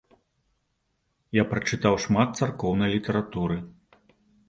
Я прачытаў шмат царкоўнай літаратуры.